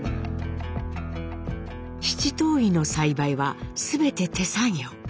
七島藺の栽培はすべて手作業。